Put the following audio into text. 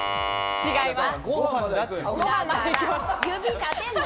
違います。